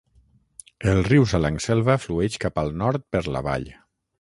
El riu Salangselva flueix cap al nord per la vall.